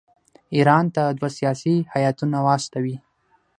ایران ته دوه سیاسي هیاتونه واستوي.